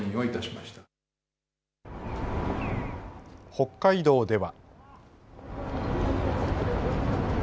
北海道では。